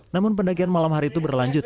namun pendakian malam hari itu berlanjut